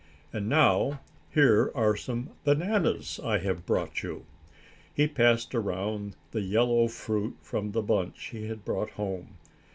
And now here are some bananas I have brought you." He passed around the yellow fruit from the bunch he had brought home.